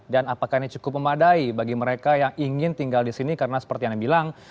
dan apakah ini cukup memadai bagi mereka yang ingin tinggal di sini karena seperti anda bilang